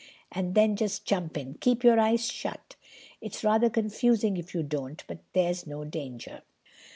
And then just jump in. Keep your eyes shut. It's rather confusing if you don't; but there's no danger."